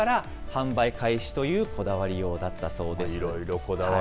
販売開始というこだわりようだったそうです。